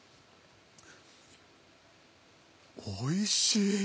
おいしい！